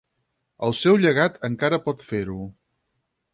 El seu llegat encara pot fer-ho.